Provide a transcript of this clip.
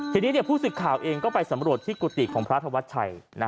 ทีนี้ผู้สึกข่าวเองก็ไปสำรวจที่กุฏิของพระธวัชชัย